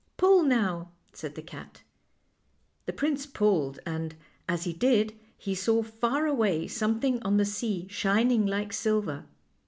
" Pull now," said the cat. The prince pulled, and, as he did, he saw far away something on the sea shining like silver.